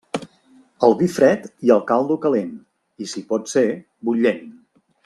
El vi fred i el caldo calent, i si pot ser, bullent.